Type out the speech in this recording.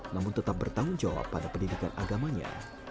namun tetap bertanggung jawab pada pendidikan agamanya